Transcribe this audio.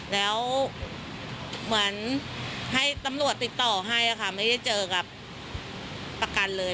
แล้วเหมือนให้ตำรวจติดต่อให้ค่ะไม่ได้เจอกับประกันเลย